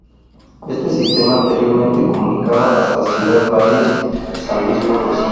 Este sistema anteriormente comunicaba hasta Ciudad Valles, San Luis Potosí.